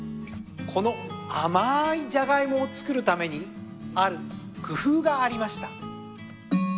この甘いジャガイモを作るためにある工夫がありました。